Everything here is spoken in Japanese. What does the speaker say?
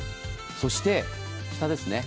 そして下ですね。